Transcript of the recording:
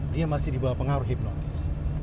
dia masih dibawa pengaruh hipnotis